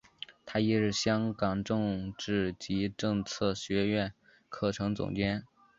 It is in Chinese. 他亦是香港政治及政策学苑课程总监。